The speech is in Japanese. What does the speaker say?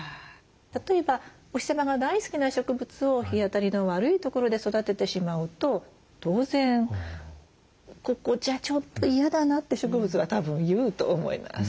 例えばお日様が大好きな植物を日当たりの悪い所で育ててしまうと当然「ここじゃちょっと嫌だな」って植物はたぶん言うと思います。